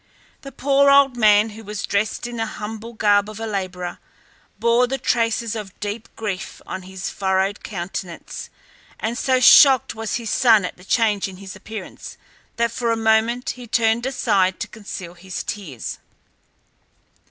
The poor old man, who was dressed in the humble garb of a labourer, bore the traces of deep grief on his furrowed countenance, and so shocked was his son at the change in his appearance that for a moment he turned aside to conceal his tears.